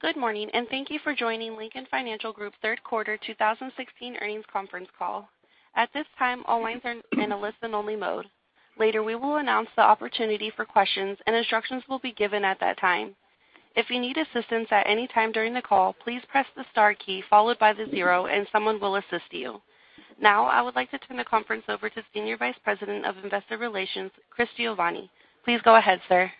Good morning, and thank you for joining Lincoln Financial Group third quarter 2016 earnings conference call. At this time, all lines are in a listen only mode. Later, we will announce the opportunity for questions, and instructions will be given at that time. If you need assistance at any time during the call, please press the star key followed by the zero and someone will assist you. Now, I would like to turn the conference over to Senior Vice President of Investor Relations, Chris Giovanni. Please go ahead, sir.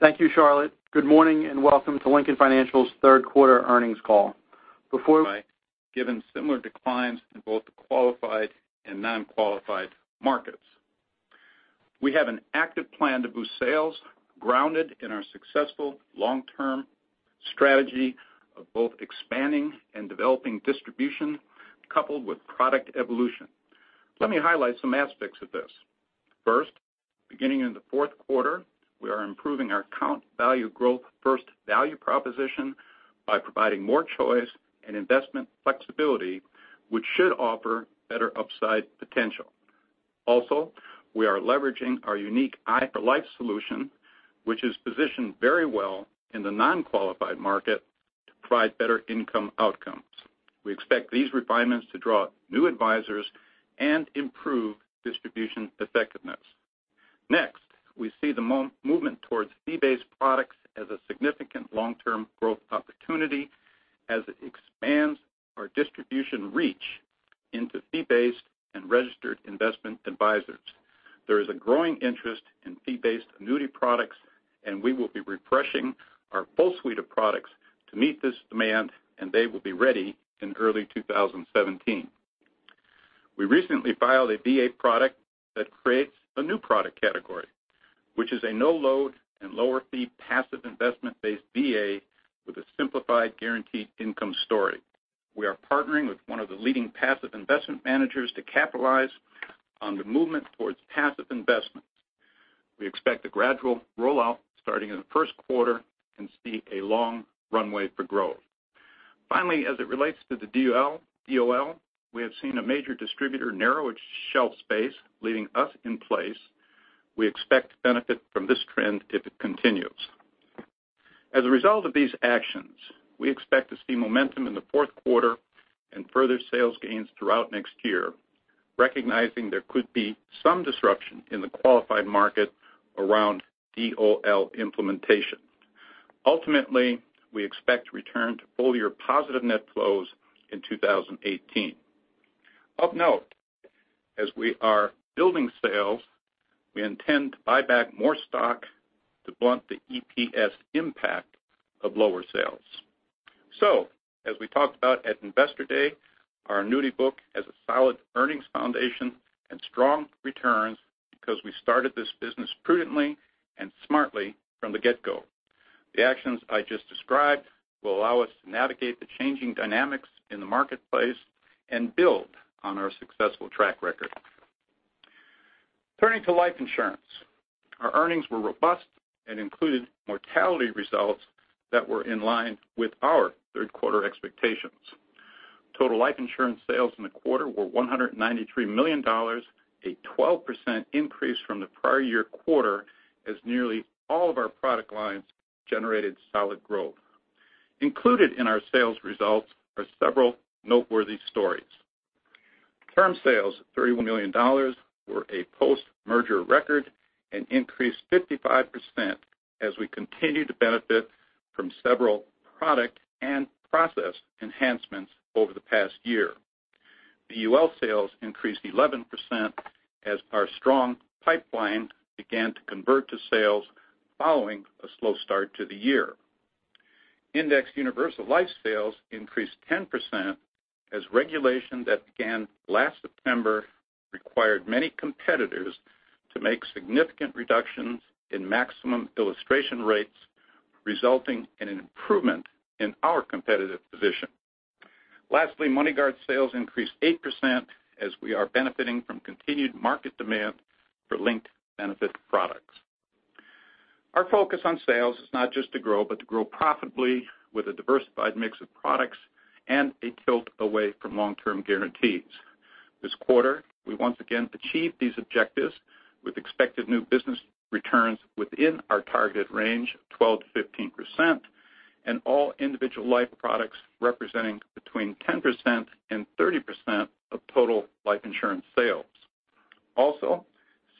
Thank you, Charlotte. Good morning and welcome to Lincoln Financial's third quarter earnings call. Given similar declines in both the qualified and non-qualified markets. We have an active plan to boost sales grounded in our successful long-term strategy of both expanding and developing distribution, coupled with product evolution. Let me highlight some aspects of this. First, beginning in the fourth quarter, we are improving our account value growth first value proposition by providing more choice and investment flexibility, which should offer better upside potential. Also, we are leveraging our unique i4LIFE solution, which is positioned very well in the non-qualified market to provide better income outcomes. We expect these refinements to draw new advisors and improve distribution effectiveness. Next, we see the movement towards fee-based products as a significant long-term growth opportunity as it expands our distribution reach into fee-based and registered investment advisors. There is a growing interest in fee-based annuity products, and we will be refreshing our full suite of products to meet this demand, and they will be ready in early 2017. We recently filed a VA product that creates a new product category, which is a no-load and lower fee passive investment-based VA with a simplified guaranteed income story. We are partnering with one of the leading passive investment managers to capitalize on the movement towards passive investments. We expect a gradual rollout starting in the first quarter and see a long runway for growth. Finally, as it relates to the DOL, we have seen a major distributor narrow its shelf space, leaving us in place. We expect to benefit from this trend if it continues. As a result of these actions, we expect to see momentum in the fourth quarter and further sales gains throughout next year, recognizing there could be some disruption in the qualified market around DOL implementation. Ultimately, we expect to return to full-year positive net flows in 2018. Of note, as we are building sales, we intend to buy back more stock to blunt the EPS impact of lower sales. As we talked about at Investor Day, our annuity book has a solid earnings foundation and strong returns because we started this business prudently and smartly from the get-go. The actions I just described will allow us to navigate the changing dynamics in the marketplace and build on our successful track record. Turning to life insurance. Our earnings were robust and included mortality results that were in line with our third quarter expectations. Total life insurance sales in the quarter were $193 million, a 12% increase from the prior year quarter as nearly all of our product lines generated solid growth. Included in our sales results are several noteworthy stories. Term sales, $31 million, were a post-merger record and increased 55% as we continued to benefit from several product and process enhancements over the past year. VUL sales increased 11% as our strong pipeline began to convert to sales following a slow start to the year. Indexed Universal Life sales increased 10% as regulation that began last September required many competitors to make significant reductions in maximum illustration rates, resulting in an improvement in our competitive position. Lastly, MoneyGuard sales increased 8% as we are benefiting from continued market demand for linked benefit products. Our focus on sales is not just to grow, but to grow profitably with a diversified mix of products and a tilt away from long-term guarantees. This quarter, we once again achieved these objectives with expected new business returns within our target range of 12%-15%, and all individual life products representing between 10% and 30% of total life insurance sales. Also,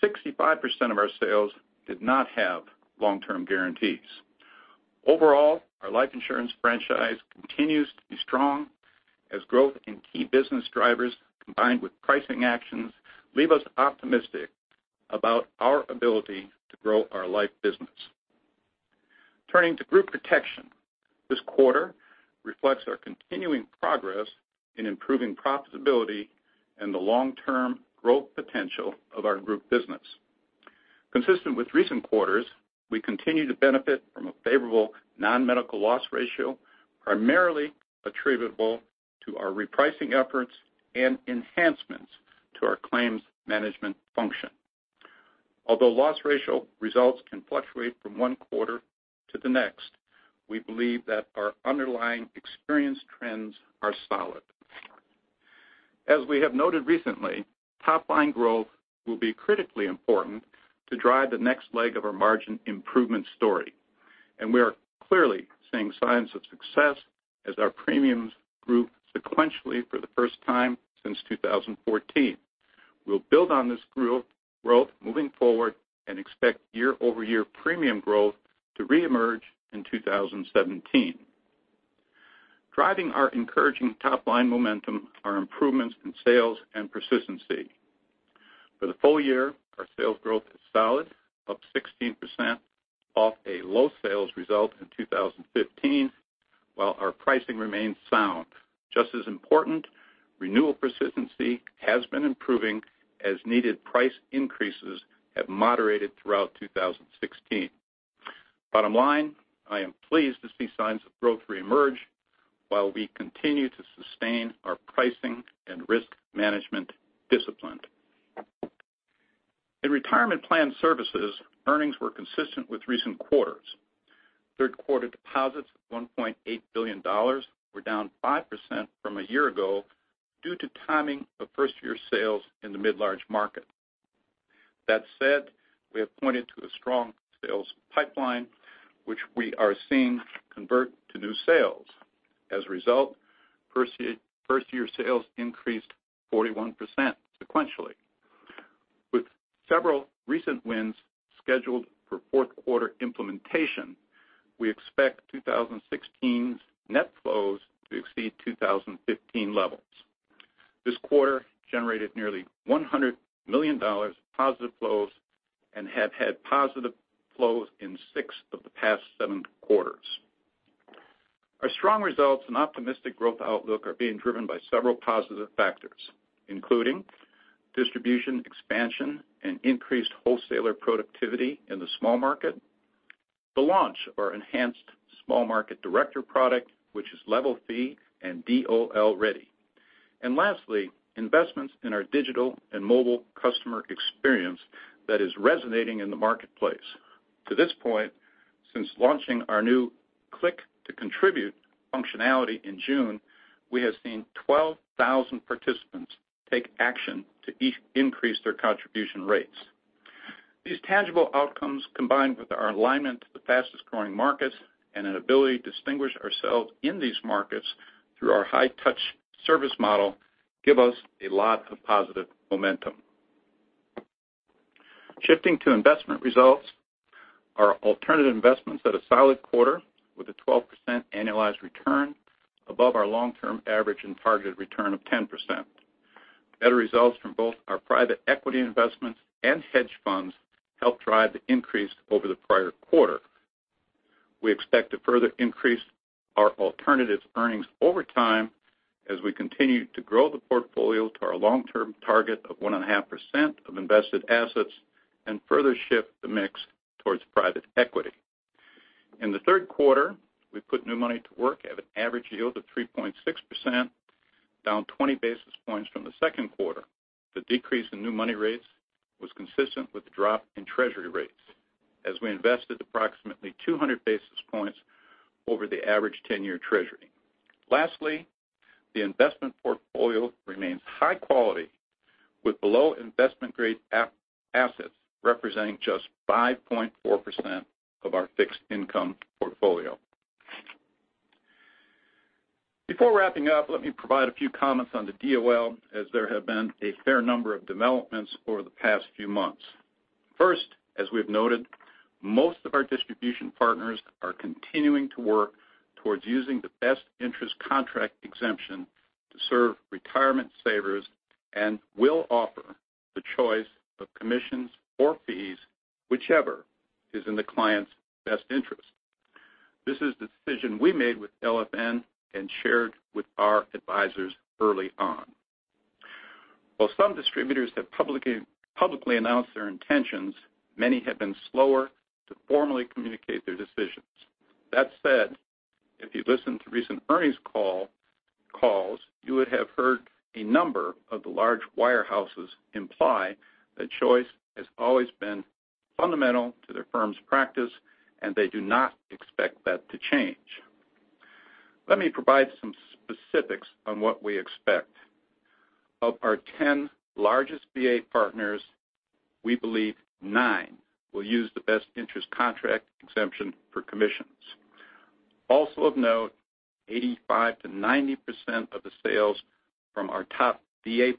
65% of our sales did not have long-term guarantees. Overall, our life insurance franchise continues to be strong as growth in key business drivers combined with pricing actions leave us optimistic about our ability to grow our life business. Turning to group protection. This quarter reflects our continuing progress in improving profitability and the long-term growth potential of our group business. Consistent with recent quarters, we continue to benefit from a favorable non-medical loss ratio, primarily attributable to our repricing efforts and enhancements to our claims management function. Although loss ratio results can fluctuate from one quarter to the next, we believe that our underlying experience trends are solid. As we have noted recently, top-line growth will be critically important to drive the next leg of our margin improvement story. We are clearly seeing signs of success as our premiums grew sequentially for the first time since 2014. We'll build on this growth moving forward and expect year-over-year premium growth to reemerge in 2017. Driving our encouraging top-line momentum are improvements in sales and persistency. For the full year, our sales growth is solid, up 16% off a low sales result in 2015, while our pricing remains sound. Just as important, renewal persistency has been improving as needed price increases have moderated throughout 2016. Bottom line, I am pleased to see signs of growth reemerge while we continue to sustain our pricing and risk management discipline. In retirement plan services, earnings were consistent with recent quarters. Third quarter deposits of $1.8 billion were down 5% from a year ago due to timing of first-year sales in the mid-large market. That said, we have pointed to a strong sales pipeline, which we are seeing convert to new sales. As a result, first-year sales increased 41% sequentially. With several recent wins scheduled for fourth quarter implementation, we expect 2016's net flows to exceed 2015 levels. This quarter generated nearly $100 million positive flows and have had positive flows in six of the past seven quarters. Our strong results and optimistic growth outlook are being driven by several positive factors, including distribution expansion and increased wholesaler productivity in the small market, the launch of our enhanced small market director product, which is level fee and DOL-ready, and lastly, investments in our digital and mobile customer experience that is resonating in the marketplace. To this point, since launching our new Click to Contribute functionality in June, we have seen 12,000 participants take action to each increase their contribution rates. These tangible outcomes, combined with our alignment to the fastest-growing markets and an ability to distinguish ourselves in these markets through our high-touch service model, give us a lot of positive momentum. Shifting to investment results, our alternative investments had a solid quarter with a 12% annualized return above our long-term average and targeted return of 10%. Better results from both our private equity investments and hedge funds helped drive the increase over the prior quarter. We expect to further increase our alternatives earnings over time as we continue to grow the portfolio to our long-term target of 1.5% of invested assets and further shift the mix towards private equity. In the third quarter, we put new money to work at an average yield of 3.6%, down 20 basis points from the second quarter. The decrease in new money rates was consistent with the drop in Treasury rates as we invested approximately 200 basis points over the average 10-year Treasury. Lastly, the investment portfolio remains high quality, with below investment-grade assets representing just 5.4% of our fixed income portfolio. Before wrapping up, let me provide a few comments on the DOL, as there have been a fair number of developments over the past few months. First, as we've noted, most of our distribution partners are continuing to work towards using the Best Interest Contract Exemption to serve retirement savers and will offer the choice of commissions or fees, whichever is in the client's best interest. This is the decision we made with LFN and shared with our advisors early on. While some distributors have publicly announced their intentions, many have been slower to formally communicate their decisions. That said, if you listen to recent earnings calls, you would have heard a number of the large wirehouses imply that choice has always been fundamental to their firm's practice, and they do not expect that to change. Let me provide some specifics on what we expect. Of our 10 largest VA partners, we believe nine will use the Best Interest Contract Exemption for commissions. Also of note, 85%-90% of the sales from our top 25 VA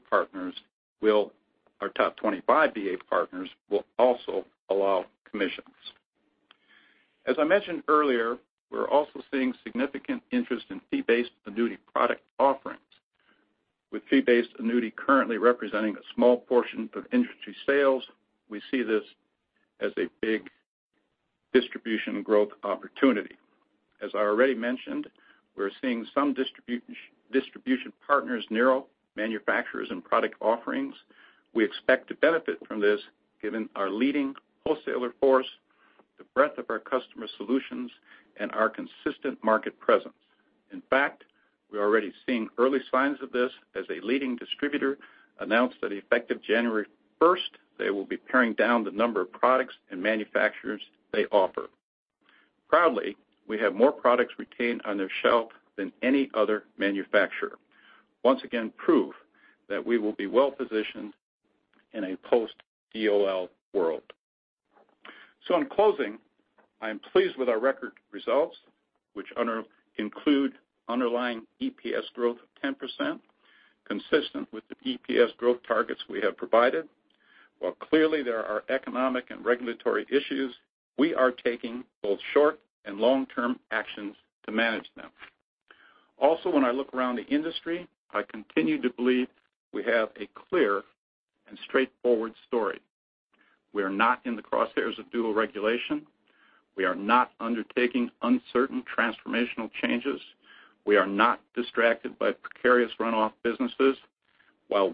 partners will also allow commissions. As I mentioned earlier, we're also seeing significant interest in fee-based annuity product offerings. With fee-based annuity currently representing a small portion of industry sales, we see this as a big distribution growth opportunity. As I already mentioned, we're seeing some distribution partners narrow manufacturers and product offerings. We expect to benefit from this, given our leading wholesaler force, the breadth of our customer solutions, and our consistent market presence. In fact, we're already seeing early signs of this as a leading distributor announced that effective January 1st, they will be paring down the number of products and manufacturers they offer. Proudly, we have more products retained on their shelf than any other manufacturer. Once again, proof that we will be well-positioned in a post-DOL world. In closing, I am pleased with our record results, which include underlying EPS growth of 10%, consistent with the EPS growth targets we have provided. While clearly there are economic and regulatory issues, we are taking both short and long-term actions to manage them. When I look around the industry, I continue to believe we have a clear and straightforward story. We are not in the crosshairs of dual regulation. We are not undertaking uncertain transformational changes. We are not distracted by precarious runoff businesses. While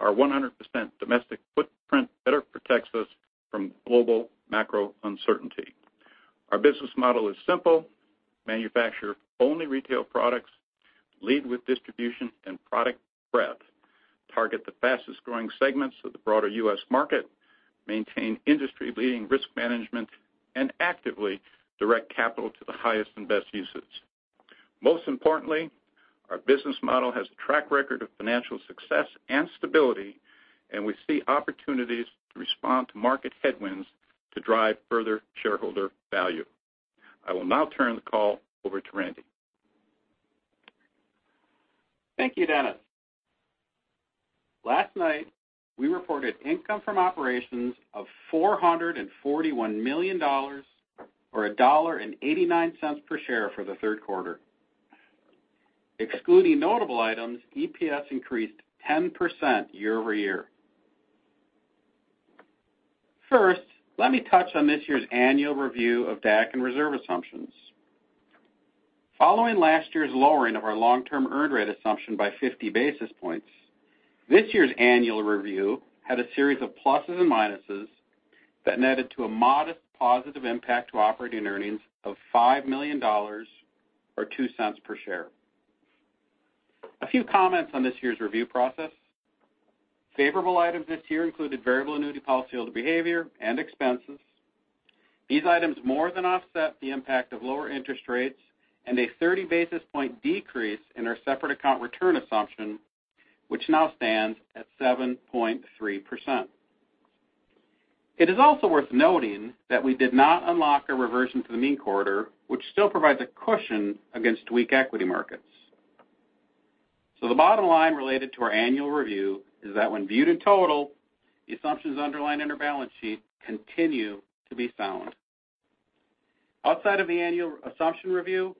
our 100% domestic footprint better protects us from global macro uncertainty. Our business model is simple, manufacture only retail products, lead with distribution and product breadth, target the fastest-growing segments of the broader U.S. market, maintain industry-leading risk management, and actively direct capital to the highest and best uses. Most importantly, our business model has a track record of financial success and stability, and we see opportunities to respond to market headwinds to drive further shareholder value. I will now turn the call over to Randy. Thank you, Dennis. Last night, we reported income from operations of $441 million, or $1.89 per share for the third quarter. Excluding notable items, EPS increased 10% year-over-year. First, let me touch on this year's annual review of DAC and reserve assumptions. Following last year's lowering of our long-term earn rate assumption by 50 basis points, this year's annual review had a series of pluses and minuses that netted to a modest positive impact to operating earnings of $5 million or $0.02 per share. A few comments on this year's review process. Favorable items this year included variable annuity policyholder behavior and expenses. These items more than offset the impact of lower interest rates and a 30-basis-point decrease in our separate account return assumption, which now stands at 7.3%. It is also worth noting that we did not unlock a reversion to the mean corridor, which still provides a cushion against weak equity markets. The bottom line related to our annual review is that when viewed in total, the assumptions underlying in our balance sheet continue to be sound. Outside of the annual assumption review,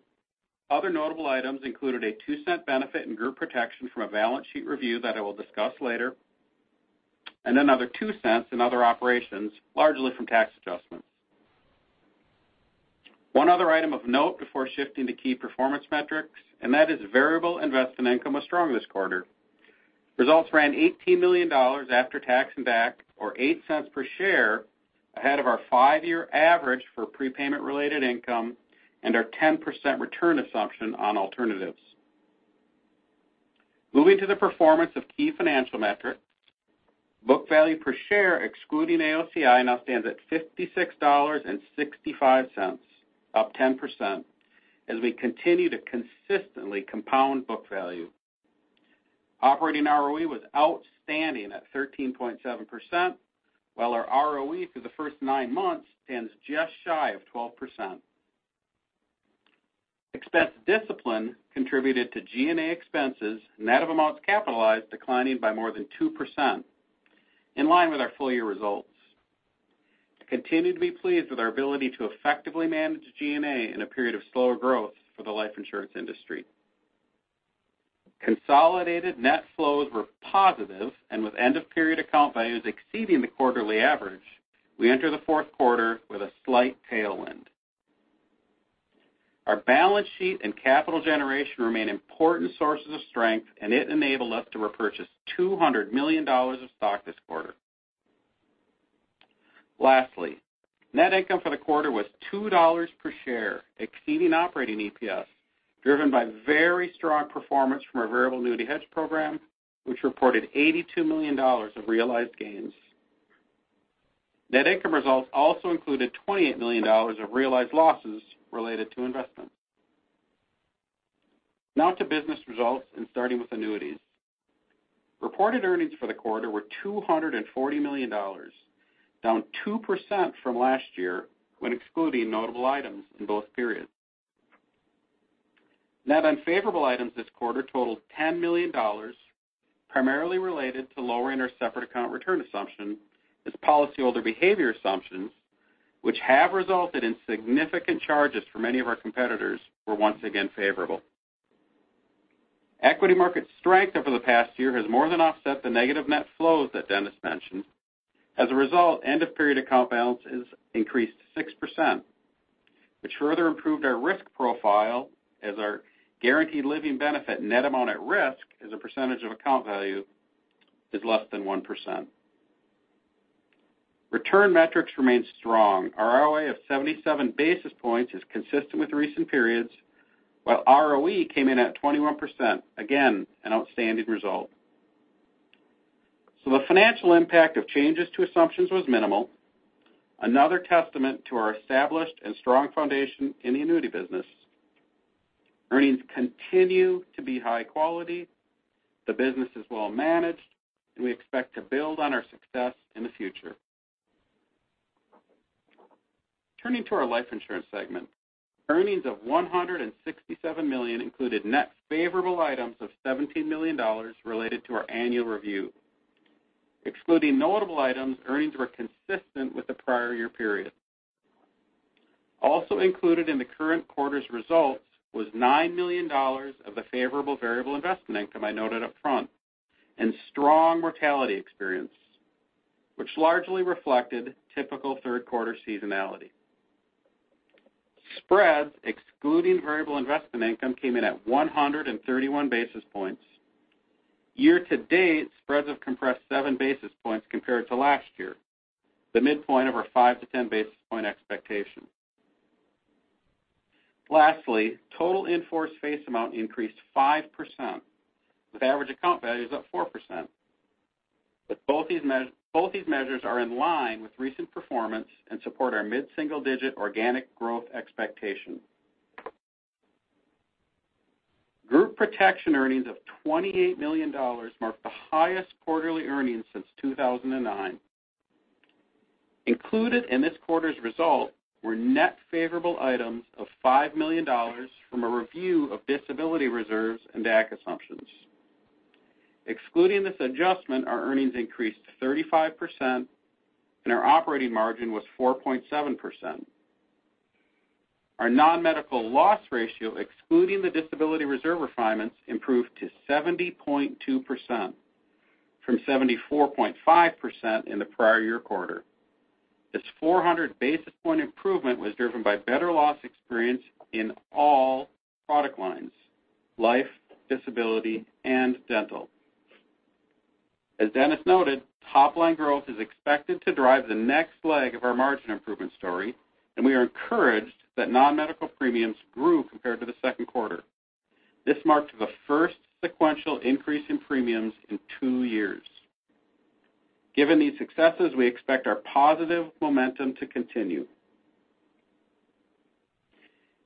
other notable items included a $0.02 benefit in group protection from a balance sheet review that I will discuss later, and another $0.02 in other operations, largely from tax adjustments. One other item of note before shifting to key performance metrics, that is variable investment income was strong this quarter. Results ran $18 million after tax and DAC, or $0.08 per share ahead of our five-year average for prepayment-related income and our 10% return assumption on alternatives. Moving to the performance of key financial metrics. Book value per share excluding AOCI now stands at $56.65, up 10%, as we continue to consistently compound book value. Operating ROE was outstanding at 13.7%, while our ROE for the first nine months stands just shy of 12%. Expense discipline contributed to G&A expenses, net of amounts capitalized declining by more than 2%, in line with our full-year results. I continue to be pleased with our ability to effectively manage G&A in a period of slower growth for the life insurance industry. Consolidated net flows were positive, with end-of-period account values exceeding the quarterly average, we enter the fourth quarter with a slight tailwind. Our balance sheet and capital generation remain important sources of strength, and it enabled us to repurchase $200 million of stock this quarter. Lastly, net income for the quarter was $2 per share, exceeding operating EPS, driven by very strong performance from our variable annuity hedge program, which reported $82 million of realized gains. Net income results also included $28 million of realized losses related to investments. Now to business results and starting with annuities. Reported earnings for the quarter were $240 million, down 2% from last year when excluding notable items in both periods. Net unfavorable items this quarter totaled $10 million, primarily related to lowering our separate account return assumption as policyholder behavior assumptions, which have resulted in significant charges for many of our competitors, were once again favorable. Equity market strength over the past year has more than offset the negative net flows that Dennis mentioned. As a result, end-of-period account balances increased 6%, which further improved our risk profile as our guaranteed living benefit net amount at risk as a percentage of account value is less than 1%. Return metrics remain strong. Our ROA of 77 basis points is consistent with recent periods, while ROE came in at 21%, again, an outstanding result. The financial impact of changes to assumptions was minimal, another testament to our established and strong foundation in the annuity business. Earnings continue to be high quality. The business is well managed, and we expect to build on our success in the future. Turning to our life insurance segment, earnings of $167 million included net favorable items of $17 million related to our annual review. Excluding notable items, earnings were consistent with the prior year period. Also included in the current quarter's results was $9 million of the favorable variable investment income I noted up front and strong mortality experience, which largely reflected typical third quarter seasonality. Spreads, excluding variable investment income, came in at 131 basis points. Year-to-date, spreads have compressed seven basis points compared to last year, the midpoint of our 5-10 basis point expectation. Lastly, total in-force face amount increased 5%, with average account values up 4%. Both these measures are in line with recent performance and support our mid-single-digit organic growth expectation. Group protection earnings of $28 million marked the highest quarterly earnings since 2009. Included in this quarter's result were net favorable items of $5 million from a review of disability reserves and DAC assumptions. Excluding this adjustment, our earnings increased 35%, and our operating margin was 4.7%. Our non-medical loss ratio, excluding the disability reserve refinements, improved to 70.2% from 74.5% in the prior year quarter. This 400 basis point improvement was driven by better loss experience in all product lines: life, disability, and dental. As Dennis noted, top-line growth is expected to drive the next leg of our margin improvement story, and we are encouraged that non-medical premiums grew compared to the second quarter. This marked the first sequential increase in premiums in two years. Given these successes, we expect our positive momentum to continue.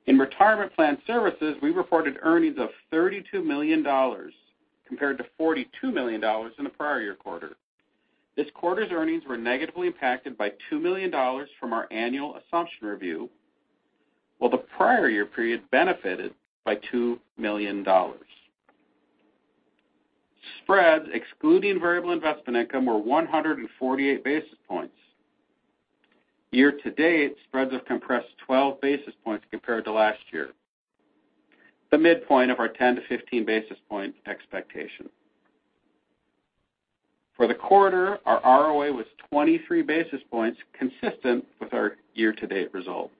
In Retirement Plan Services, we reported earnings of $32 million compared to $42 million in the prior year quarter. This quarter's earnings were negatively impacted by $2 million from our annual assumption review, while the prior year period benefited by $2 million. Spreads, excluding variable investment income, were 148 basis points. Year-to-date, spreads have compressed 12 basis points compared to last year, the midpoint of our 10 to 15 basis point expectation. For the quarter, our ROA was 23 basis points, consistent with our year-to-date result.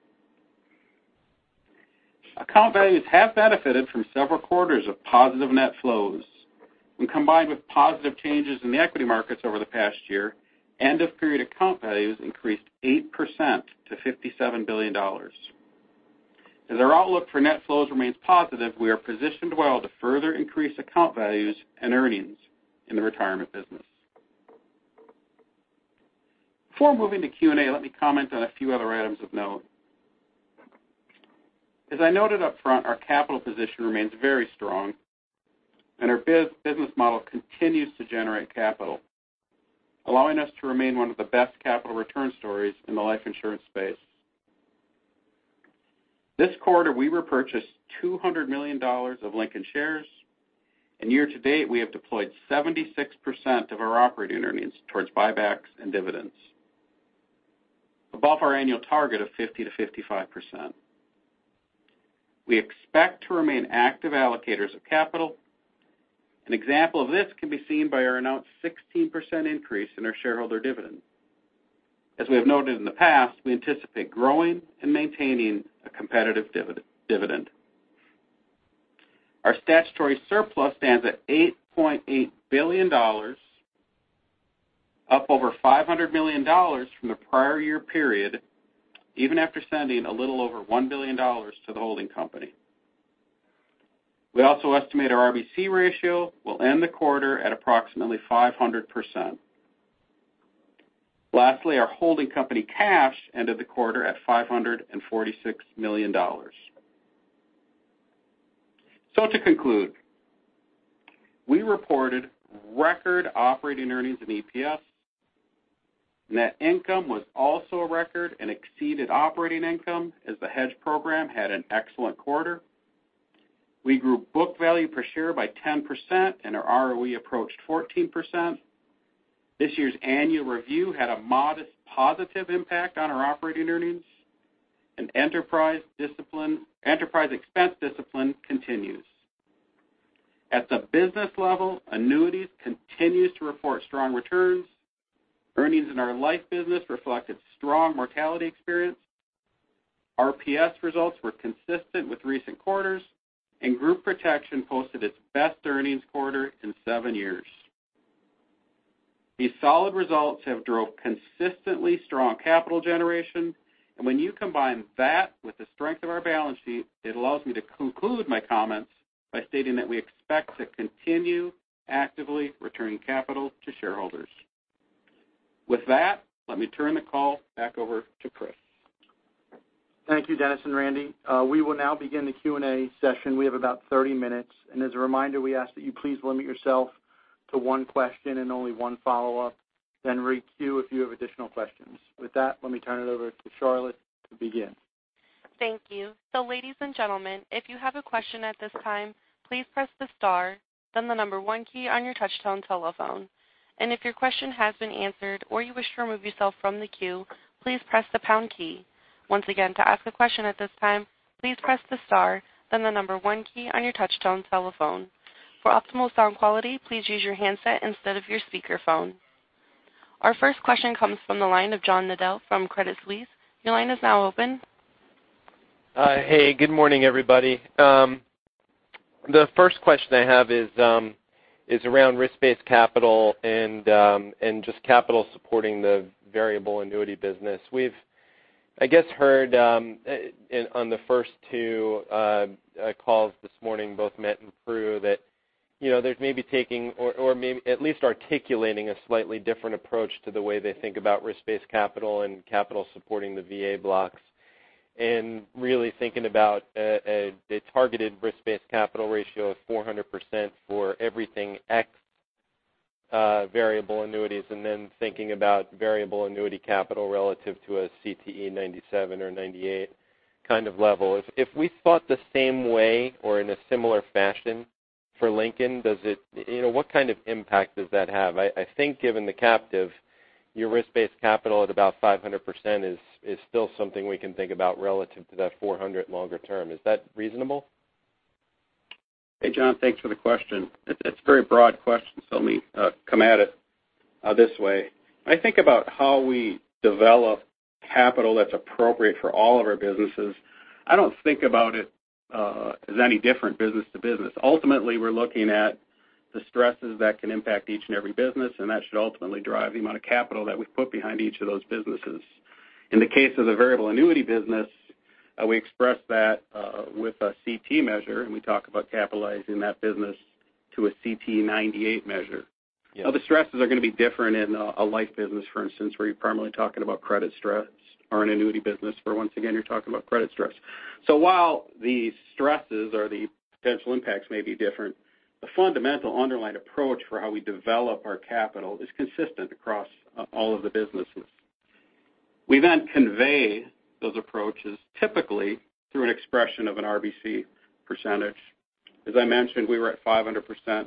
Account values have benefited from several quarters of positive net flows. When combined with positive changes in the equity markets over the past year, end-of-period account values increased 8% to $57 billion. As our outlook for net flows remains positive, we are positioned well to further increase account values and earnings in the retirement business. Before moving to Q&A, let me comment on a few other items of note. As I noted up front, our capital position remains very strong and our business model continues to generate capital, allowing us to remain one of the best capital return stories in the life insurance space. This quarter, we repurchased $200 million of Lincoln shares. Year-to-date, we have deployed 76% of our operating earnings towards buybacks and dividends, above our annual target of 50%-55%. We expect to remain active allocators of capital. An example of this can be seen by our announced 16% increase in our shareholder dividend. As we have noted in the past, we anticipate growing and maintaining a competitive dividend. Our statutory surplus stands at $8.8 billion, up over $500 million from the prior year period, even after sending a little over $1 billion to the holding company. We also estimate our RBC ratio will end the quarter at approximately 500%. Lastly, our holding company cash ended the quarter at $546 million. To conclude, we reported record operating earnings and EPS. Net income was also a record and exceeded operating income as the hedge program had an excellent quarter. We grew book value per share by 10% and our ROE approached 14%. This year's annual review had a modest positive impact on our operating earnings and enterprise expense discipline continues. At the business level, annuities continues to report strong returns. Earnings in our life business reflected strong mortality experience. RPS results were consistent with recent quarters, and Group Protection posted its best earnings quarter in seven years. These solid results have drove consistently strong capital generation. When you combine that with the strength of our balance sheet, it allows me to conclude my comments by stating that we expect to continue actively returning capital to shareholders. With that, let me turn the call back over to Chris. Thank you, Dennis and Randy. We will now begin the Q&A session. We have about 30 minutes, and as a reminder, we ask that you please limit yourself to one question and only one follow-up, then re-queue if you have additional questions. With that, let me turn it over to Charlotte to begin. Thank you. Ladies and gentlemen, if you have a question at this time, please press the star, then the number one key on your touch-tone telephone. If your question has been answered, or you wish to remove yourself from the queue, please press the pound key. Once again, to ask a question at this time, please press the star, then the number one key on your touch-tone telephone. For optimal sound quality, please use your handset instead of your speakerphone. Our first question comes from the line of John Nadel from Credit Suisse. Your line is now open. Hi. Hey, good morning, everybody. The first question I have is around risk-based capital and just capital supporting the variable annuity business. We've, I guess, heard on the first two calls this morning, both Matt and Prue, that there's maybe taking or at least articulating a slightly different approach to the way they think about risk-based capital and capital supporting the VA blocks. Really thinking about a targeted risk-based capital ratio of 400% for everything x variable annuities, then thinking about variable annuity capital relative to a CTE 97 or 98 kind of level. If we thought the same way or in a similar fashion for Lincoln, what kind of impact does that have? I think given the captive, your risk-based capital at about 500% is still something we can think about relative to that 400 longer term. Is that reasonable? Hey, John. Thanks for the question. It's a very broad question, so let me come at it this way. When I think about how we develop capital that's appropriate for all of our businesses, I don't think about it as any different business to business. Ultimately, we're looking at the stresses that can impact each and every business, and that should ultimately drive the amount of capital that we put behind each of those businesses. In the case of the variable annuity business, we express that with a CTE measure, and we talk about capitalizing that business to a CTE 98 measure. Yeah. The stresses are going to be different in a life business, for instance, where you're primarily talking about credit stress or an annuity business where once again, you're talking about credit stress. While the stresses or the potential impacts may be different, the fundamental underlying approach for how we develop our capital is consistent across all of the businesses. We then convey those approaches typically through an expression of an RBC percentage. As I mentioned, we were at 500%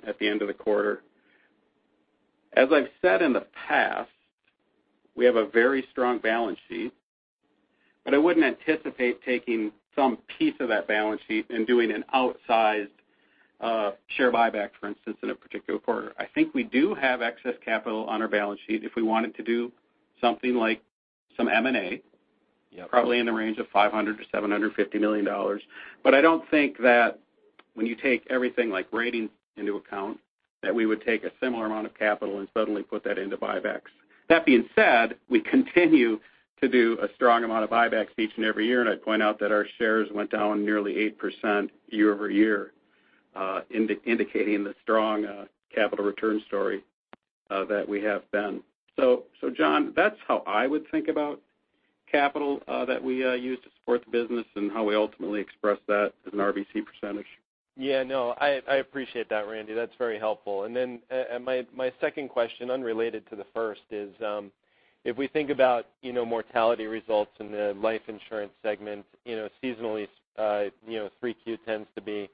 at the end of the quarter. As I've said in the past, we have a very strong balance sheet, but I wouldn't anticipate taking some piece of that balance sheet and doing an outsized share buyback, for instance, in a particular quarter. I think we do have excess capital on our balance sheet if we wanted to do something like some M&A. Yeah. Probably in the range of $500 million-$750 million. I don't think that when you take everything like ratings into account, that we would take a similar amount of capital and suddenly put that into buybacks. That being said, we continue to do a strong amount of buybacks each and every year, and I'd point out that our shares went down nearly 8% year-over-year, indicating the strong capital return story that we have been. John, that's how I would think about capital that we use to support the business and how we ultimately express that as an RBC percentage. Yeah, no, I appreciate that, Randy. That's very helpful. My second question, unrelated to the first, is if we think about mortality results in the life insurance segment, seasonally 3Q tends to be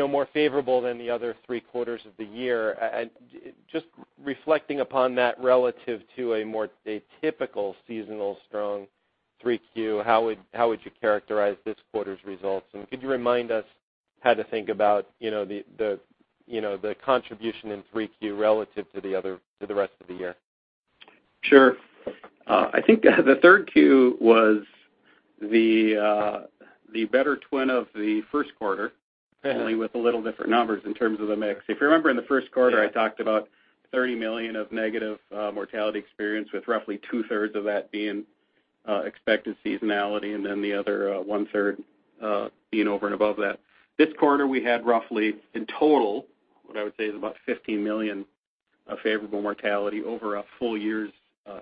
more favorable than the other three quarters of the year. Just reflecting upon that relative to a more atypical seasonal strong 3Q, how would you characterize this quarter's results? Could you remind us how to think about the contribution in 3Q relative to the rest of the year? Sure. I think the third Q was the better twin of the first quarter only with a little different numbers in terms of the mix. If you remember in the first quarter. Yeah I talked about $30 million of negative mortality experience with roughly two-thirds of that being expected seasonality and then the other one-third being over and above that. This quarter, we had roughly in total, what I would say is about $15 million of favorable mortality over a full year's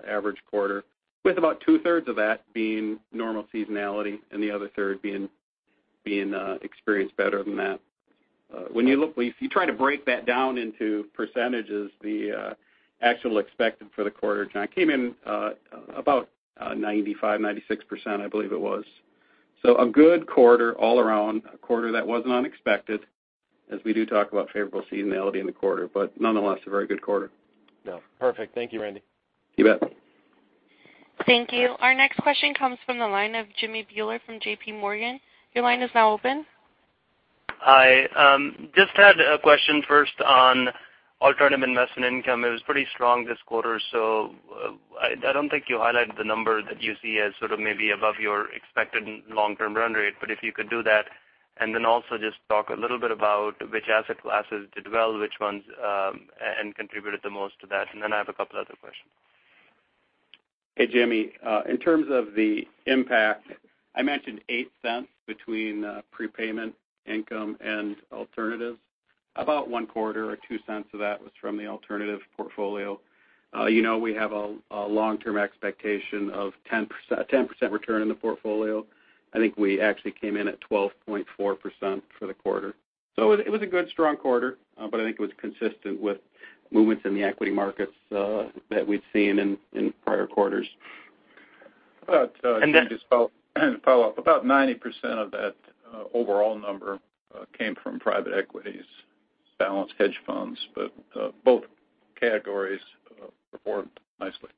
average quarter, with about two-thirds of that being normal seasonality and the other third being experienced better than that. If you try to break that down into percentages, the actual expected for the quarter, John, came in about 95%, 96%, I believe it was. A good quarter all around, a quarter that wasn't unexpected as we do talk about favorable seasonality in the quarter, nonetheless, a very good quarter. Perfect. Thank you, Randy. You bet. Thank you. Our next question comes from the line of Jimmy Bhoola from J.P. Morgan. Your line is now open. Hi. Just had a question first on alternative investment income. It was pretty strong this quarter, I don't think you highlighted the number that you see as maybe above your expected long-term run rate, but if you could do that. Also just talk a little bit about which asset classes did well, which ones contributed the most to that, and then I have a couple other questions. Hey, Jimmy Bhoola. In terms of the impact, I mentioned $0.08 between prepayment income and alternatives. About one-quarter or $0.02 of that was from the alternative portfolio. We have a long-term expectation of 10% return in the portfolio. I think we actually came in at 12.4% for the quarter. It was a good, strong quarter, but I think it was consistent with movements in the equity markets that we've seen in prior quarters. About- And then- Just follow up. About 90% of that overall number came from private equities, balanced hedge funds, but both categories performed nicely.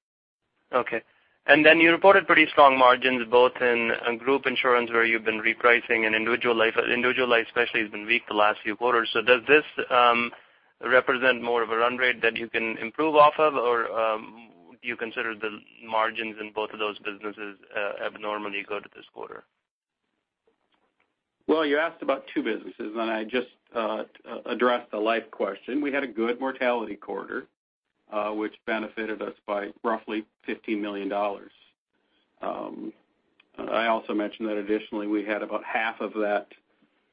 Okay. You reported pretty strong margins both in Group Insurance, where you've been repricing, and Individual Life. Individual Life especially has been weak the last few quarters. Does this represent more of a run rate that you can improve off of? Or do you consider the margins in both of those businesses abnormally good this quarter? Well, you asked about two businesses, and I just addressed the Life question. We had a good mortality quarter, which benefited us by roughly $15 million. I also mentioned that additionally, we had about half of that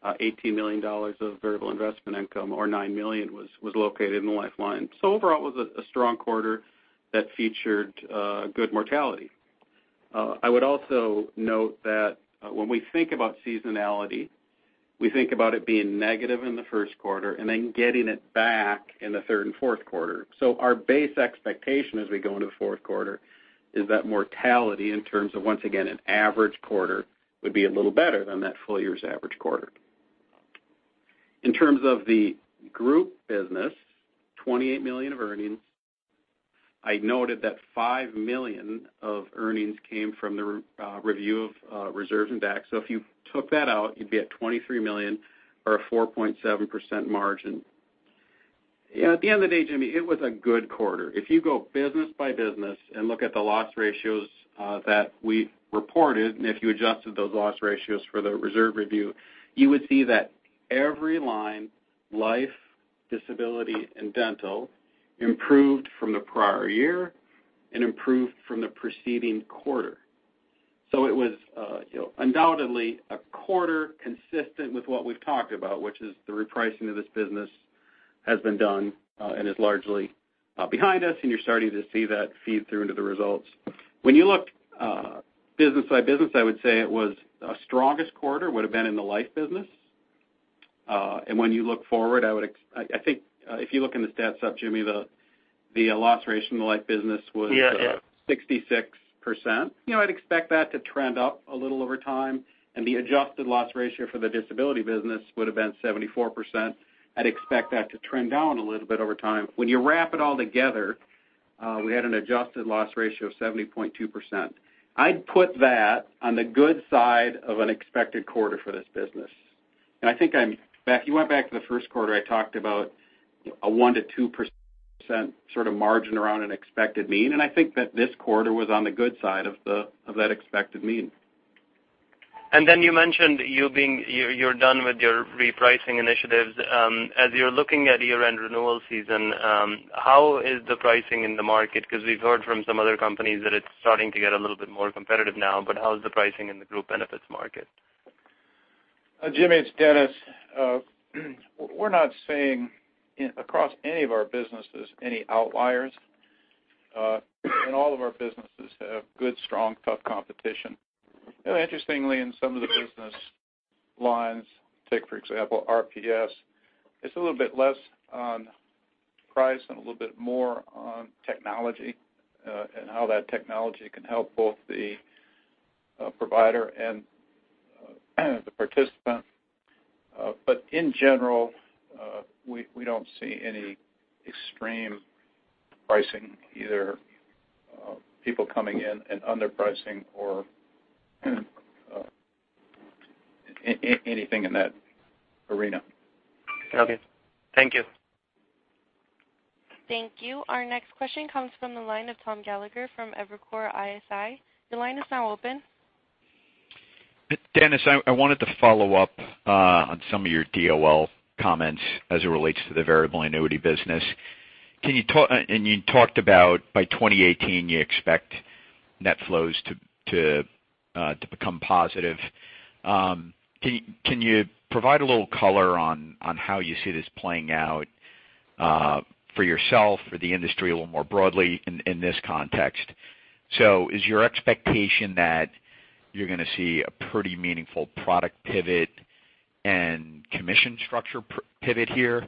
$18 million of variable investment income, or $9 million was located in the Life line. Overall, it was a strong quarter that featured good mortality. I would also note that when we think about seasonality, we think about it being negative in the first quarter and then getting it back in the third and fourth quarter. Our base expectation as we go into the fourth quarter is that mortality in terms of, once again, an average quarter, would be a little better than that full year's average quarter. In terms of the Group business, $28 million of earnings. I noted that $5 million of earnings came from the review of reserves and DAC. If you took that out, you'd be at $23 million or a 4.7% margin. At the end of the day, Jimmy, it was a good quarter. If you go business by business and look at the loss ratios that we reported, if you adjusted those loss ratios for the reserve review, you would see that every line, Life, Disability, and Dental, improved from the prior year and improved from the preceding quarter. It was undoubtedly a quarter consistent with what we've talked about, which is the repricing of this business has been done and is largely behind us, and you're starting to see that feed through into the results. When you look business by business, I would say our strongest quarter would've been in the Life business. When you look forward, I think if you look in the stats up, Jimmy, the loss ratio in the Life business was- Yeah 66%. I'd expect that to trend up a little over time. The adjusted loss ratio for the Disability business would've been 74%. I'd expect that to trend down a little bit over time. When you wrap it all together, we had an adjusted loss ratio of 70.2%. I'd put that on the good side of an expected quarter for this business. If you went back to the first quarter, I talked about a 1%-2% sort of margin around an expected mean. I think that this quarter was on the good side of that expected mean. You mentioned you're done with your repricing initiatives. As you're looking at year-end renewal season, how is the pricing in the market? We've heard from some other companies that it's starting to get a little bit more competitive now. How is the pricing in the Group Benefits market? Jimmy, it's Dennis. We're not seeing, across any of our businesses, any outliers. In all of our businesses have good, strong, tough competition. Interestingly, in some of the business lines, take, for example, RPS, it's a little bit less on price and a little bit more on technology, and how that technology can help both the provider and the participant. In general, we don't see any extreme pricing, either people coming in and underpricing or anything in that arena. Okay. Thank you. Thank you. Our next question comes from the line of Thomas Gallagher from Evercore ISI. Your line is now open. Dennis, I wanted to follow up on some of your DOL comments as it relates to the Variable Annuity business. You talked about by 2018, you expect net flows to become positive. Can you provide a little color on how you see this playing out for yourself, for the industry a little more broadly in this context? Is your expectation that you're going to see a pretty meaningful product pivot and commission structure pivot here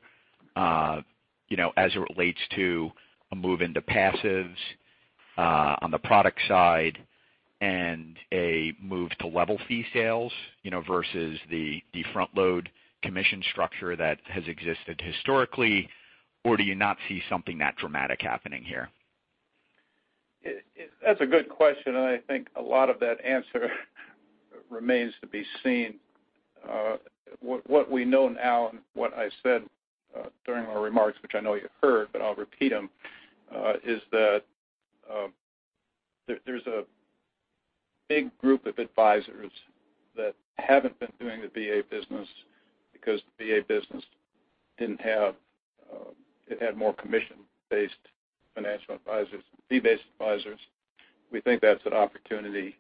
as it relates to a move into passives on the product side and a move to level fee sales versus the front load commission structure that has existed historically? Do you not see something that dramatic happening here? That's a good question, I think a lot of that answer remains to be seen. What we know now what I said during our remarks, which I know you heard, but I'll repeat them, is that There's a big group of advisors that haven't been doing the VA business because VA business had more commission-based financial advisors than fee-based advisors. We think that's an opportunity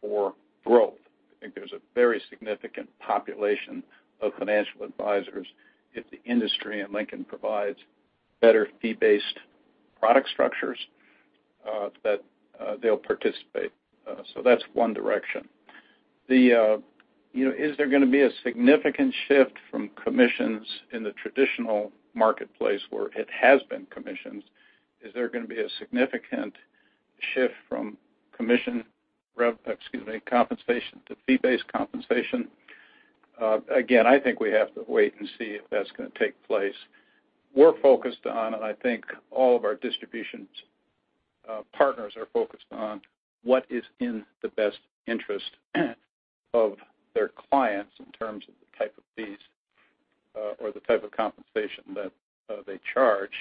for growth. We think there's a very significant population of financial advisors, if the industry and Lincoln provides better fee-based product structures, that they'll participate. That's one direction. Is there going to be a significant shift from commissions in the traditional marketplace where it has been commissions? Is there going to be a significant shift from commission compensation to fee-based compensation? Again, I think we have to wait and see if that's going to take place. We're focused on, I think all of our distributions partners are focused on what is in the best interest of their clients in terms of the type of fees or the type of compensation that they charge.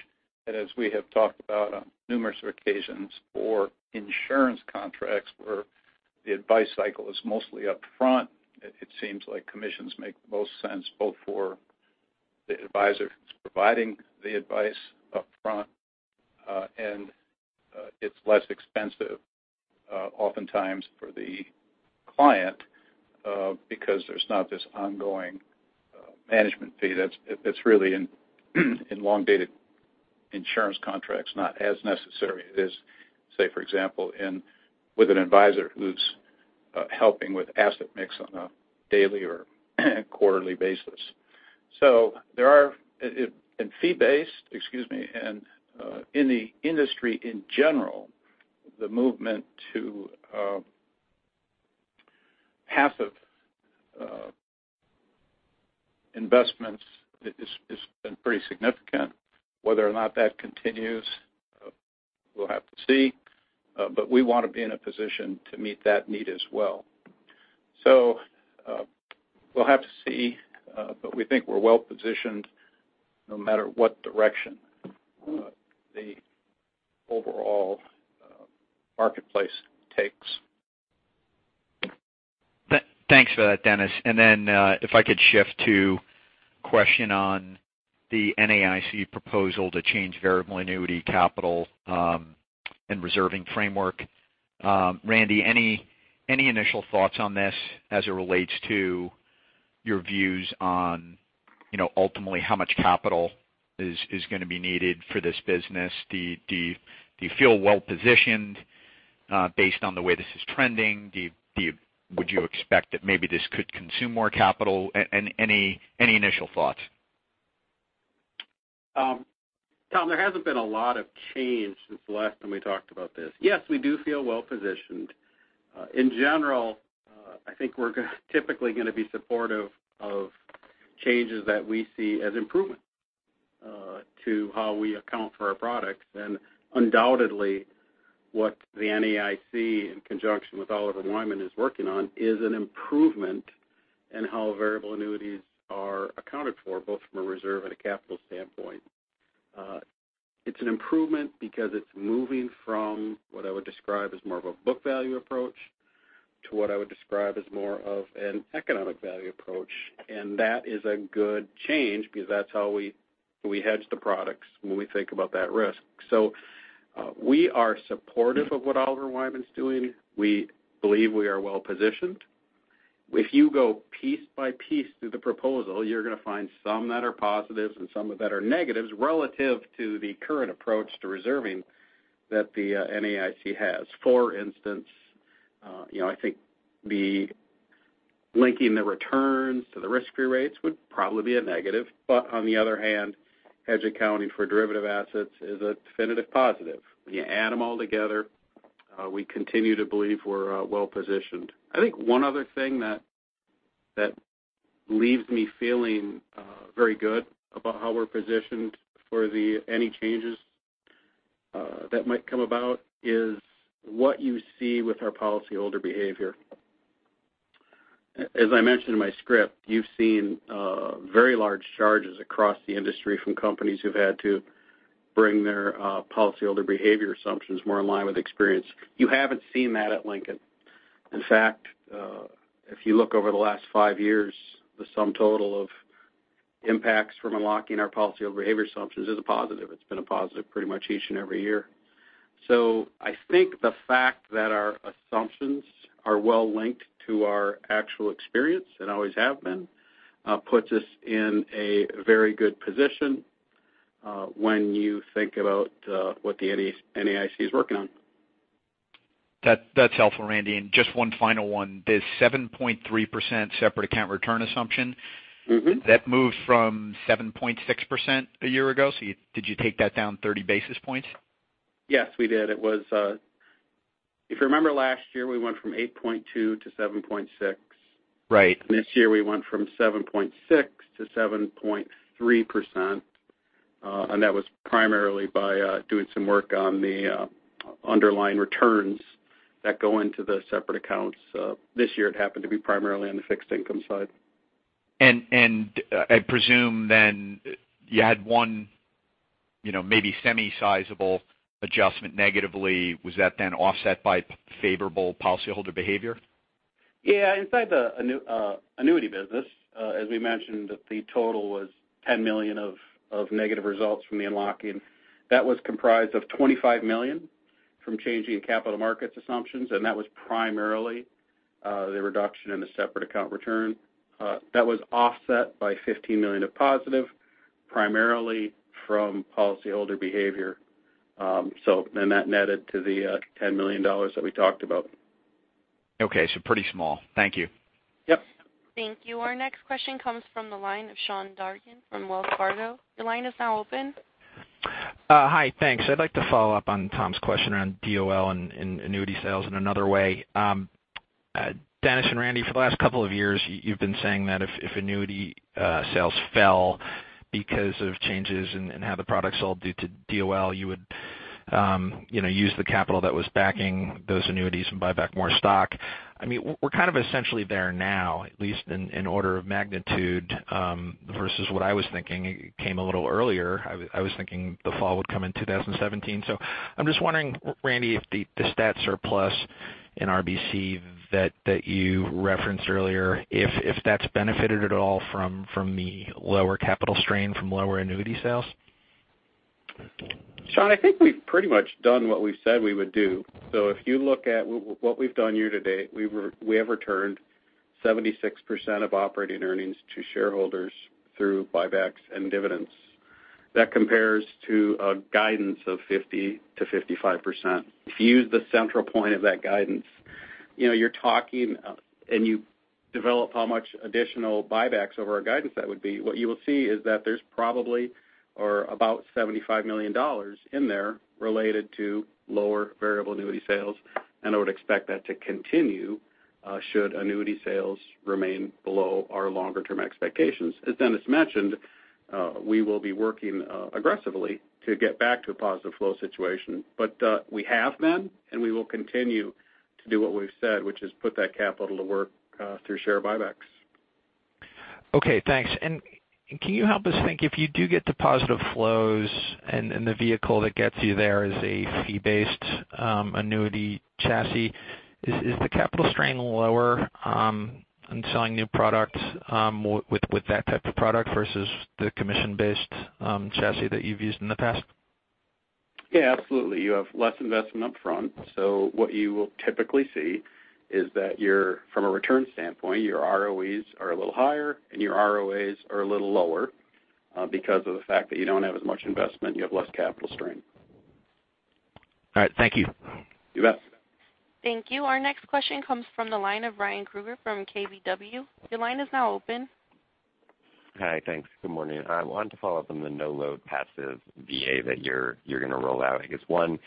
As we have talked about on numerous occasions, for insurance contracts where the advice cycle is mostly upfront, it seems like commissions make the most sense both for the advisor who's providing the advice upfront, it's less expensive oftentimes for the client because there's not this ongoing management fee that's really in elongated insurance contracts, not as necessary as, say, for example, with an advisor who's helping with asset mix on a daily or quarterly basis. In fee-based, in the industry in general, the movement to passive investments has been pretty significant. Whether or not that continues, we'll have to see. We want to be in a position to meet that need as well. We'll have to see, but we think we're well-positioned no matter what direction the overall marketplace takes. Thanks for that, Dennis. If I could shift to a question on the NAIC proposal to change variable annuity capital and reserving framework. Randy, any initial thoughts on this as it relates to your views on ultimately how much capital is going to be needed for this business? Do you feel well-positioned based on the way this is trending? Would you expect that maybe this could consume more capital? Any initial thoughts? Tom, there hasn't been a lot of change since the last time we talked about this. Yes, we do feel well-positioned. In general, I think we're typically going to be supportive of changes that we see as improvements to how we account for our products. Undoubtedly, what the NAIC, in conjunction with Oliver Wyman, is working on is an improvement in how variable annuities are accounted for, both from a reserve and a capital standpoint. It's an improvement because it's moving from what I would describe as more of a book value approach to what I would describe as more of an economic value approach. That is a good change because that's how we hedge the products when we think about that risk. We are supportive of what Oliver Wyman's doing. We believe we are well-positioned. If you go piece by piece through the proposal, you're going to find some that are positives and some that are negatives relative to the current approach to reserving that the NAIC has. For instance, I think linking the returns to the risk-free rates would probably be a negative. On the other hand, hedge accounting for derivative assets is a definitive positive. When you add them all together, we continue to believe we're well-positioned. I think one other thing that leaves me feeling very good about how we're positioned for any changes that might come about is what you see with our policyholder behavior. As I mentioned in my script, you've seen very large charges across the industry from companies who've had to bring their policyholder behavior assumptions more in line with experience. You haven't seen that at Lincoln. In fact, if you look over the last five years, the sum total of impacts from unlocking our policyholder behavior assumptions is a positive. It's been a positive pretty much each and every year. I think the fact that our assumptions are well linked to our actual experience, and always have been, puts us in a very good position when you think about what the NAIC is working on. That's helpful, Randy. Just one final one. This 7.3% separate account return assumption. That moved from 7.6% a year ago. Did you take that down 30 basis points? Yes, we did. If you remember last year, we went from 8.2 to 7.6. Right. This year, we went from 7.6% to 7.3%, that was primarily by doing some work on the underlying returns that go into the separate accounts. This year, it happened to be primarily on the fixed income side. I presume then you had one maybe semi-sizable adjustment negatively. Was that then offset by favorable policyholder behavior? Yeah. Inside the annuity business, as we mentioned, the total was $10 million of negative results from the unlocking. That was comprised of $25 million from changing capital markets assumptions, that was primarily the reduction in the separate account return. That was offset by $15 million of positive, primarily from policyholder behavior. That netted to the $10 million that we talked about. Okay. Pretty small. Thank you. Yep. Thank you. Our next question comes from the line of Sean Dargan from Wells Fargo. Your line is now open. Hi. Thanks. I'd like to follow up on Tom's question around DOL and annuity sales in another way. Dennis and Randy, for the last couple of years, you've been saying that if annuity sales fell because of changes in how the product sold due to DOL, you would use the capital that was backing those annuities and buy back more stock. We're kind of essentially there now, at least in order of magnitude versus what I was thinking. It came a little earlier. I was thinking the fall would come in 2017. I'm just wondering, Randy, if the stat surplus in RBC that you referenced earlier, if that's benefited at all from the lower capital strain from lower annuity sales? Sean, I think we've pretty much done what we've said we would do. If you look at what we've done year-to-date, we have returned 76% of operating earnings to shareholders through buybacks and dividends. That compares to a guidance of 50%-55%. If you use the central point of that guidance, you develop how much additional buybacks over our guidance that would be, what you will see is that there's probably or about $75 million in there related to lower variable annuity sales. I would expect that to continue should annuity sales remain below our longer-term expectations. As Dennis mentioned, we will be working aggressively to get back to a positive flow situation. We have been, and we will continue to do what we've said, which is put that capital to work through share buybacks. Okay, thanks. Can you help us think if you do get to positive flows and the vehicle that gets you there is a fee-based annuity chassis, is the capital strain lower in selling new products with that type of product versus the commission-based chassis that you've used in the past? Yeah, absolutely. You have less investment up front. What you will typically see is that from a return standpoint, your ROEs are a little higher, and your ROAs are a little lower because of the fact that you don't have as much investment, you have less capital strain. All right. Thank you. You bet. Thank you. Our next question comes from the line of Ryan Krueger from KBW. Your line is now open. Hi. Thanks. Good morning. I wanted to follow up on the no-load passive VA that you're going to roll out. I guess one,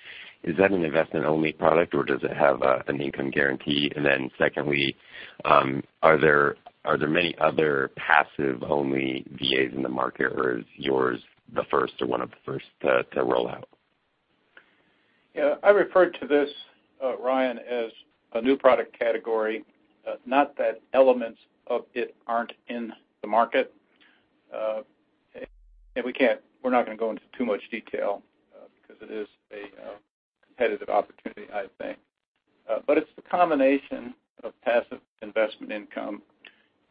is that an investment-only product or does it have an income guarantee? Secondly, are there many other passive-only VAs in the market or is yours the first or one of the first to roll out? Yeah. I referred to this, Ryan, as a new product category. Not that elements of it aren't in the market. We're not going to go into too much detail because it is a competitive opportunity, I think. It's the combination of passive investment income,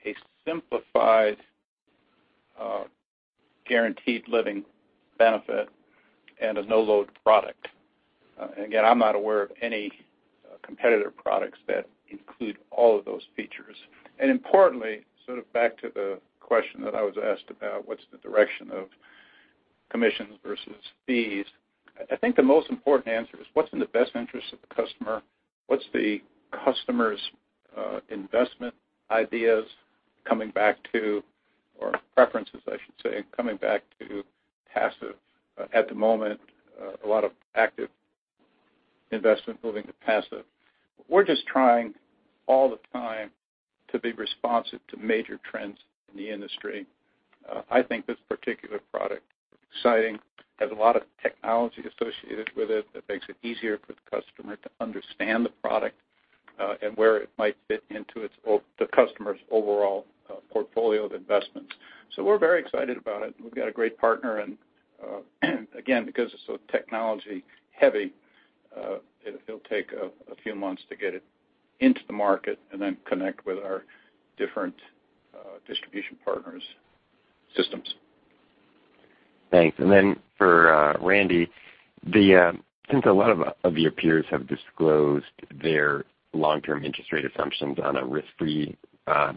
a simplified guaranteed living benefit, and a no-load product. Again, I'm not aware of any competitor products that include all of those features. Importantly, sort of back to the question that I was asked about what's the direction of commissions versus fees, I think the most important answer is what's in the best interest of the customer? What's the customer's investment ideas coming back to, or preferences I should say, coming back to passive? At the moment, a lot of active investment moving to passive. We're just trying all the time to be responsive to major trends in the industry. I think this particular product is exciting, has a lot of technology associated with it that makes it easier for the customer to understand the product, and where it might fit into the customer's overall portfolio of investments. We're very excited about it, and we've got a great partner. Again, because it's so technology-heavy, it'll take a few months to get it into the market and then connect with our different distribution partners' systems. Thanks. For Randy, since a lot of your peers have disclosed their long-term interest rate assumptions on a risk-free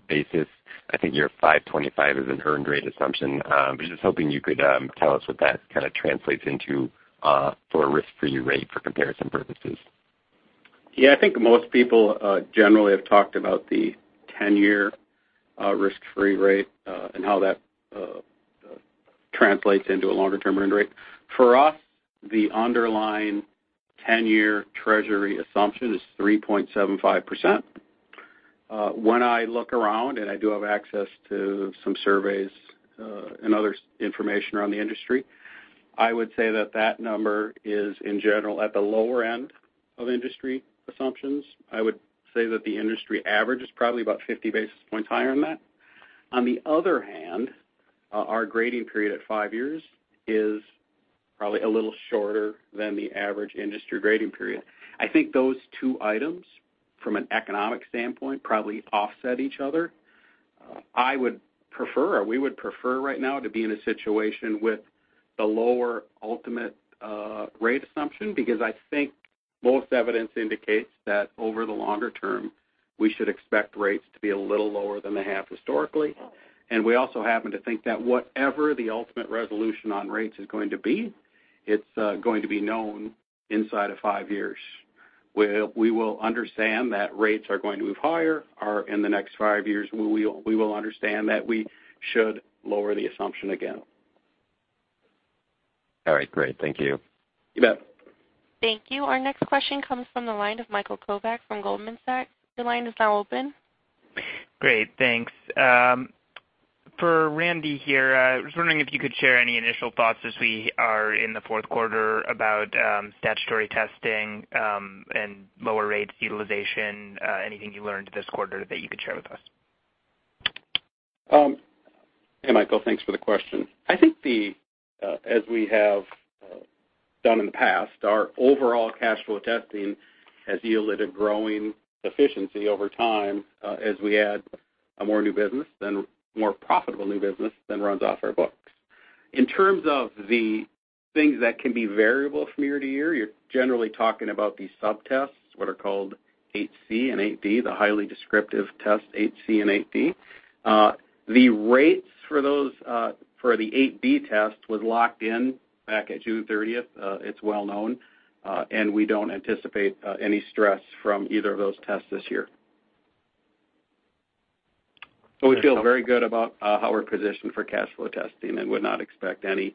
basis, I think your 5.25 is an earned rate assumption. I'm just hoping you could tell us what that kind of translates into for a risk-free rate for comparison purposes. Yeah. I think most people generally have talked about the 10-year risk-free rate and how that translates into a longer-term earned rate. For us, the underlying 10-year Treasury assumption is 3.75%. When I look around, and I do have access to some surveys and other information around the industry I would say that that number is, in general, at the lower end of industry assumptions. I would say that the industry average is probably about 50 basis points higher than that. On the other hand, our grading period at five years is probably a little shorter than the average industry grading period. I think those two items, from an economic standpoint, probably offset each other. I would prefer, or we would prefer right now to be in a situation with the lower ultimate rate assumption, because I think most evidence indicates that over the longer term, we should expect rates to be a little lower than they have historically. We also happen to think that whatever the ultimate resolution on rates is going to be, it's going to be known inside of five years, where we will understand that rates are going to move higher in the next five years, we will understand that we should lower the assumption again. All right, great. Thank you. You bet. Thank you. Our next question comes from the line of Michael Kovac from Goldman Sachs. Your line is now open. Great, thanks. For Randy here, I was wondering if you could share any initial thoughts as we are in the fourth quarter about statutory testing and lower rates utilization. Anything you learned this quarter that you could share with us? Hey, Michael, thanks for the question. I think as we have done in the past, our overall cash flow testing has yielded a growing efficiency over time as we add more new business than more profitable new business than runs off our books. In terms of the things that can be variable from year to year, you're generally talking about these sub-tests, what are called 8C and 8D, the highly descriptive test 8C and 8D. The rates for the 8B test was locked in back at June 30th. It's well known, and we don't anticipate any stress from either of those tests this year. We feel very good about how we're positioned for cash flow testing and would not expect any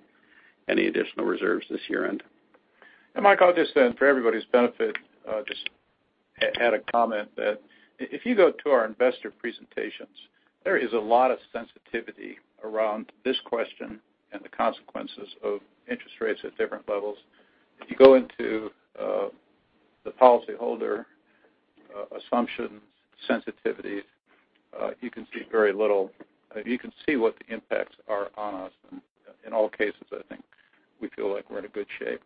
additional reserves this year-end. Michael, just for everybody's benefit, just add a comment that if you go to our investor presentations, there is a lot of sensitivity around this question and the consequences of interest rates at different levels. If you go into the policyholder assumption sensitivities, you can see what the impacts are on us. In all cases, I think we feel like we're in a good shape.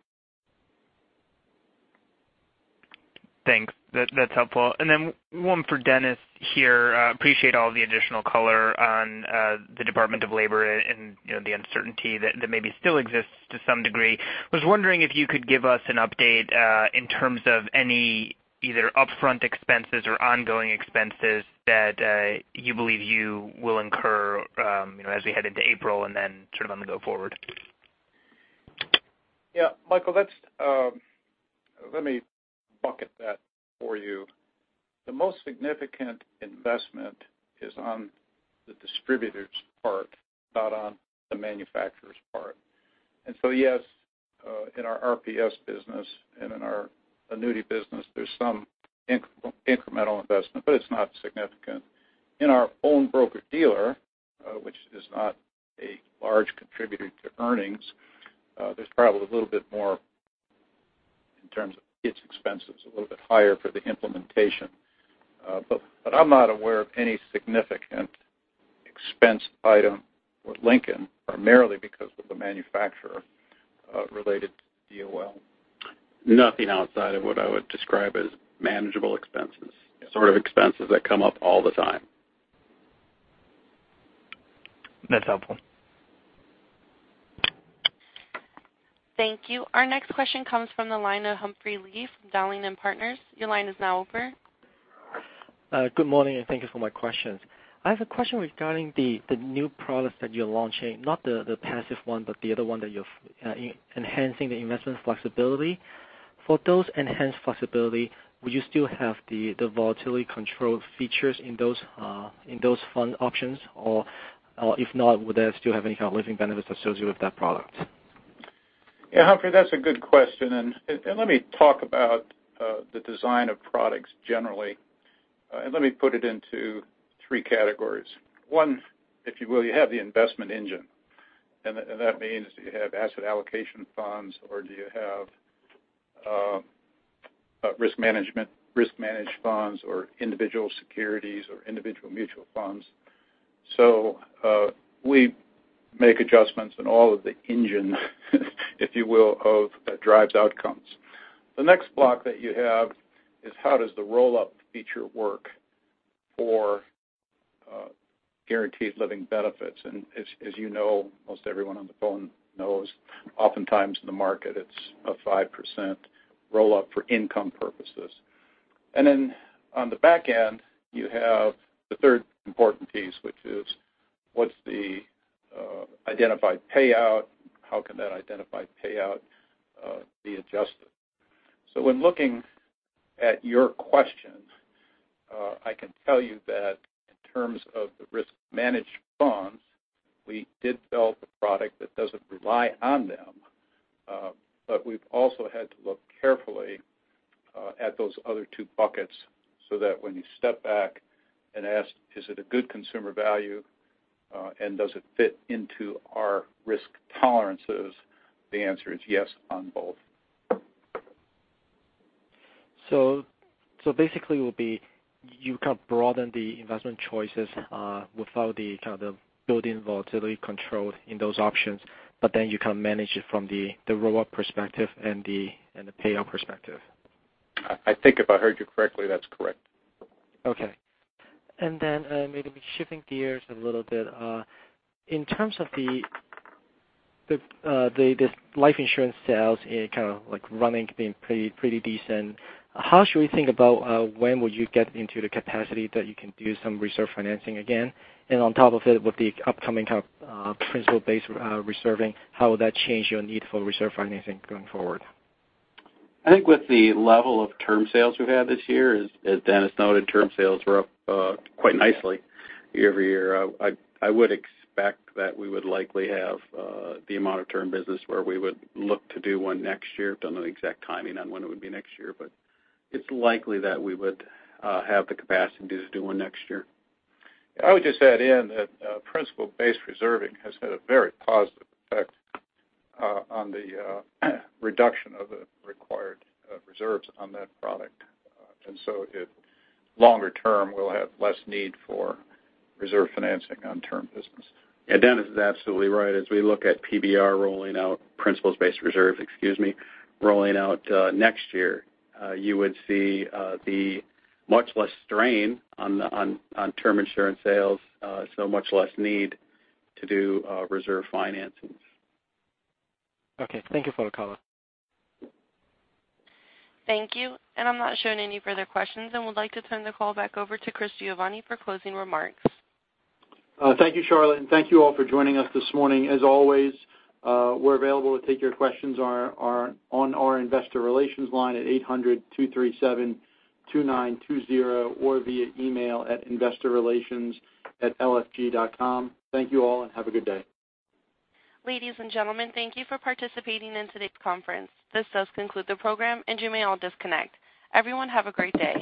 Thanks. That's helpful. Then one for Dennis here. Appreciate all the additional color on the Department of Labor and the uncertainty that maybe still exists to some degree. Was wondering if you could give us an update in terms of any either upfront expenses or ongoing expenses that you believe you will incur as we head into April, and then sort of on the go forward. Yeah, Michael, let me bucket that for you. The most significant investment is on the distributor's part, not on the manufacturer's part. Yes, in our RPS business and in our annuity business, there's some incremental investment, but it's not significant. In our own broker-dealer, which is not a large contributor to earnings, there's probably a little bit more in terms of its expenses, a little bit higher for the implementation. I'm not aware of any significant expense item with Lincoln, primarily because of the manufacturer, related to DOL. Nothing outside of what I would describe as manageable expenses, sort of expenses that come up all the time. That's helpful. Thank you. Our next question comes from the line of Humphrey Lee from Dowling & Partners. Your line is now open. Good morning. Thank you for my questions. I have a question regarding the new products that you're launching, not the passive one, but the other one that you're enhancing the investment flexibility. For those enhanced flexibility, will you still have the volatility control features in those fund options? If not, would they still have any kind of living benefits associated with that product? Humphrey, that's a good question. Let me talk about the design of products generally. Let me put it into 3 categories. One, if you will, you have the investment engine. That means do you have asset allocation funds or do you have risk managed funds or individual securities or individual mutual funds? We make adjustments in all of the engine, if you will, that drives outcomes. The next block that you have is how does the roll-up feature work for guaranteed living benefits? As you know, most everyone on the phone knows, oftentimes in the market, it's a 5% roll-up for income purposes. Then on the back end, you have the third important piece, which is what's the identified payout? How can that identified payout be adjusted? When looking at your question, I can tell you that in terms of the risk-managed funds, we did build a product that doesn't rely on them. We've also had to look carefully. At those other two buckets, that when you step back and ask, is it a good consumer value? Does it fit into our risk tolerances? The answer is yes on both. Basically, you can broaden the investment choices without the kind of built-in volatility control in those options, then you can manage it from the roll-up perspective and the payout perspective. I think if I heard you correctly, that's correct. Okay. Then maybe shifting gears a little bit, in terms of the life insurance sales, it kind of running, being pretty decent, how should we think about when will you get into the capacity that you can do some reserve financing again? On top of it, with the upcoming kind of Principle-Based Reserving, how will that change your need for reserve financing going forward? I think with the level of term sales we've had this year, as Dennis noted, term sales were up quite nicely year-over-year. I would expect that we would likely have the amount of term business where we would look to do one next year. Don't know the exact timing on when it would be next year, but it's likely that we would have the capacity to do one next year. I would just add in that Principle-Based Reserving has had a very positive effect on the reduction of the required reserves on that product. Longer term, we'll have less need for reserve financing on term business. Yeah, Dennis is absolutely right. As we look at PBR rolling out, Principle-Based Reserve, excuse me, rolling out next year, you would see much less strain on term insurance sales, much less need to do reserve financings. Okay. Thank you for the call. Thank you. I'm not showing any further questions and would like to turn the call back over to Chris Giovanni for closing remarks. Thank you, Charlotte, and thank you all for joining us this morning. As always, we're available to take your questions on our investor relations line at 800-237-2920 or via email at investorrelations@lfg.com. Thank you all, and have a good day. Ladies and gentlemen, thank you for participating in today's conference. This does conclude the program, and you may all disconnect. Everyone have a great day.